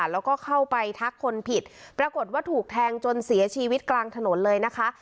แล้วก็เข้าไปทักคนผิดปรากฏว่าถูกแทงจนเสียชีวิตกลางถนนเลยนะคะ